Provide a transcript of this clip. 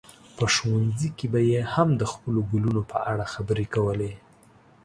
په ښوونځي کې به یې هم د خپلو ګلونو په اړه خبرې کولې.